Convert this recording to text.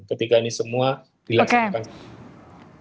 ketika ini semua dilaksanakan